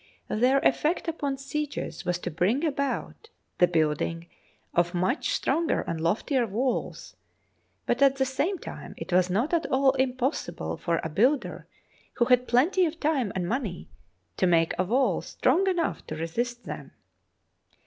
Their effect upon sieges was to bring about the building of much stronger and loftier walls, but at the same time it was not at all impossible for a builder who had plenty of time and money to make a wall strong enough to resist them.